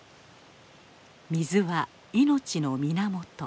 水は命の源。